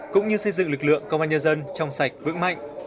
cũng như xây dựng lực lượng công an nhân dân trong sạch vững mạnh